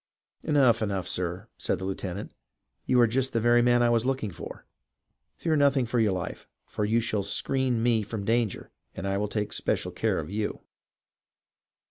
" Enough, enough, sir," said the lieutenant. " You are just the very man I was looking for ! Fear nothing for your life, for you shall screen me from danger, and I will take special care oi you